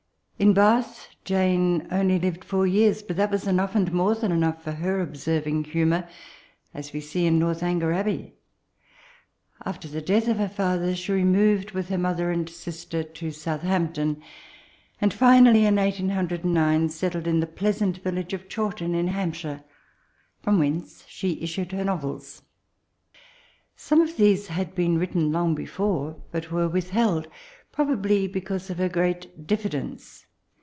In Bath, Jane only lived four years; but that was enoogh, and more than enough, for her observing humour, as we see in NorthoHger Abbey. After the death of her father, she removed with her mother and sister to Southamp ton; and. finally, in 1809, settled in the pleasant village of Obawton, in Hampshire, from whence she issued her novels. Some of these had been written long before, but were with held, probably because of her great diffidence.